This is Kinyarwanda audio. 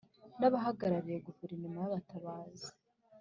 n abahagarariye Guverinoma y abatabazi